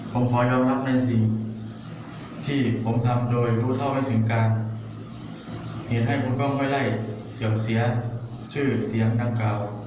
ผมขอยอมรับในสิ่งที่ผมทำโดยรู้เท่าไม่ถึงการเหตุให้ผมก็ไม่ได้เสื่อมเสียชื่อเสียงดังกล่าว